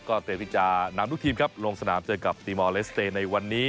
ก็เตรียมวิจารณ์ทุกทีมครับลงสนามเจอกับติมอลและสเตยในวันนี้